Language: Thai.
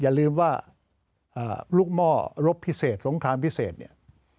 อย่าลืมว่าลูกหม้อรบพิเศษสงครามพิเศษเนี่ย